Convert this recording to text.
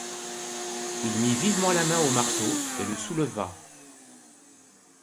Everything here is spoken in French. Il mit vivement la main au marteau, et le souleva.